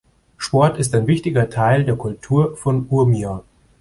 Sport ist ein wichtiger Teil der Kultur von Urmia.